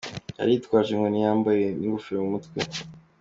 Yari yitwaje inkoni yambaye n’ ingofero mu mutwe.